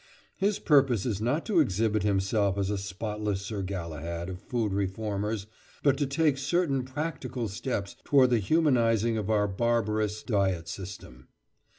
His purpose is not to exhibit himself as a spotless Sir Galahad of food reformers, but to take certain practical steps towards the humanising of our barbarous diet system.